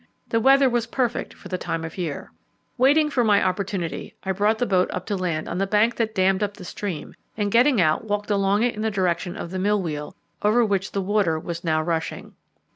The weather was perfect for the time of year. Waiting my opportunity, I brought the boat up to land on the bank that dammed up the stream, and getting out walked along it in the direction of the mill wheel, over which the water was now rushing.